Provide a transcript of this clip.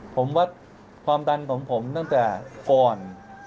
ผมวัดความดันของผมตั้งแต่ก่อน